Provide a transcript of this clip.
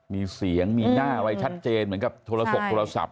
มีเสียงมีหน้าอะไรชัดเจนเหมือนกับโทรศกโทรศัพท์